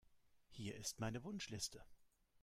Hier ist meine Wunschliste.